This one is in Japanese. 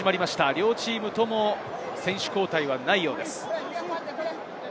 両チームとも選手交代はないようです。